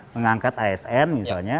mengangkat asn misalnya